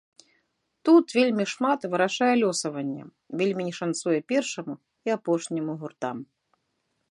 Тут вельмі шмат вырашае лёсаванне, вельмі не шанцуе першаму і апошняму гуртам.